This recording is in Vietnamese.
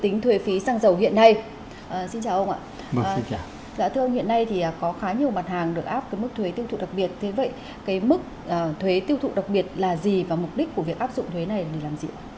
như vậy mức thuế tiêu thụ đặc biệt là gì và mục đích của việc áp dụng thuế này là gì